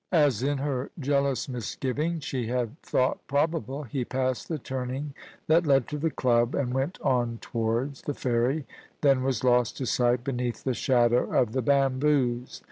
As in her jealous misgivings she had thought probable, he passed the turning that led to the club, and went on towards the ferry, then was lost to sight beneath the shadow of the bamboos.